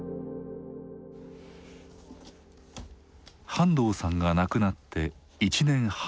半藤さんが亡くなって１年半。